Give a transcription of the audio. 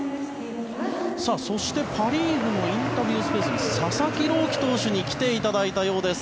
そして、パ・リーグのインタビュースペースに佐々木朗希投手に来ていただいたようです。